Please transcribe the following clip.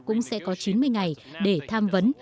cũng sẽ có chín mươi ngày để tham vấn